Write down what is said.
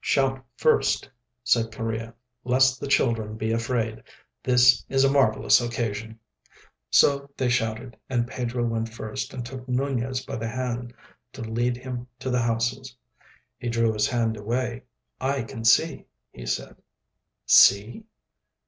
"Shout first," said Correa, "lest the children be afraid. This is a marvellous occasion." So they shouted, and Pedro went first and took Nunez by the hand to lead him to the houses. He drew his hand away. "I can see," he said. "See?"